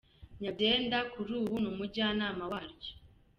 Nyabyenda kuri ubu ni Umujyanama waryo.